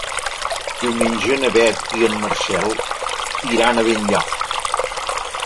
Diumenge na Beth i en Marcel iran a Benlloc.